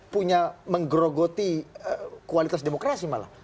punya menggerogoti kualitas demokrasi malah